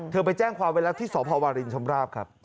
เธอไปแจ้งความเวลาที่สภวรินทร์ชำราบครับ